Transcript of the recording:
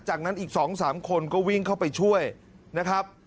จากนั้นอีก๒๓คนก็วิ่งเข้าไปช่วยนะครับ